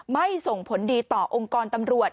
ส่งผลดีต่อองค์กรตำรวจ